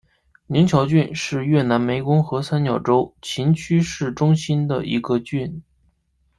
宁桥郡是越南湄公河三角洲芹苴市中心的一个郡。